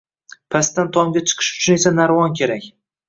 Pastdan tomga chiqish uchun esa narvon kerak.